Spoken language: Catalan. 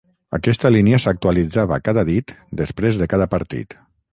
Aquesta línia s'actualitzava cada dit després de cada partit.